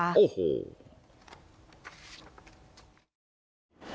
โอ้โห